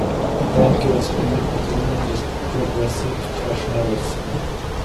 Die Band gehört zu den Mitbegründern des Progressive Thrash Metals.